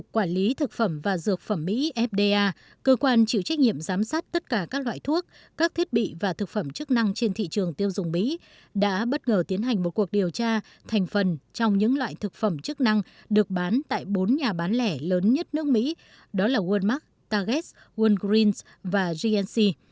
quản lý thực phẩm và dược phẩm mỹ fda cơ quan chịu trách nhiệm giám sát tất cả các loại thuốc các thiết bị và thực phẩm chức năng trên thị trường tiêu dùng mỹ đã bất ngờ tiến hành một cuộc điều tra thành phần trong những loại thực phẩm chức năng được bán tại bốn nhà bán lẻ lớn nhất nước mỹ đó là walmark target walgreens và gnc